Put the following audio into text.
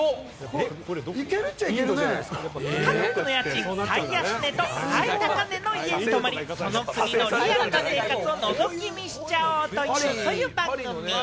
各国の家賃最安値と最高値の家に泊まり、その国のリアルな生活をのぞき見しちゃおうという番組。